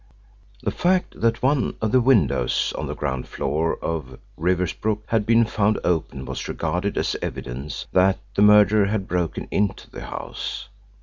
The fact that one of the windows on the ground floor of Riversbrook had been found open was regarded as evidence that the murderer had broken into the house.